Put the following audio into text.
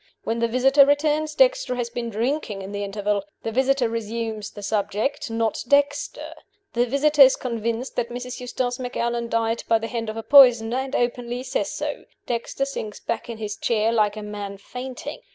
When the visitor returns, Dexter has been drinking in the interval. The visitor resumes the subject not Dexter. The visitor is convinced that Mrs. Eustace Macallan died by the hand of a poisoner, and openly says so. Dexter sinks back in his chair like a man fainting.